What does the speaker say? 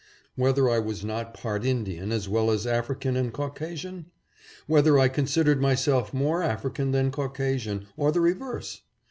Whether I was not part Indian as well as African and Caucasian? Whether I considered myself more African than Caucasian, or the reverse?